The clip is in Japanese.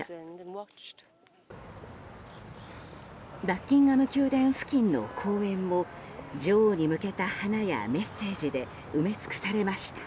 バッキンガム宮殿付近の公園も女王に向けた花やメッセージで埋め尽くされました。